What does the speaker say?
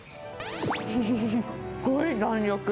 すんごい弾力。